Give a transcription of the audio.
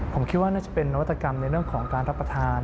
ผมคิดว่าน่าจะเป็นนวัตกรรมในเรื่องของการรับประทาน